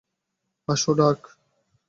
আসো, ডার্ক।